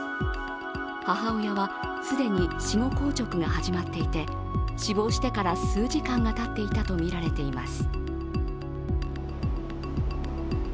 母親は既に死後硬直が始まっていて死亡してから数時間がたっていたとみられています。